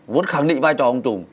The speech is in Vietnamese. muốn khẳng định vai trò ông trùm